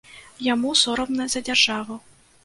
Яму сорамна за дзяржаву.